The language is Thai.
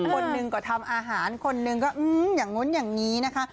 คนหนึ่งก็ทำอาหารคนหนึ่งก็อย่างนู้นอย่างนี้นะคะ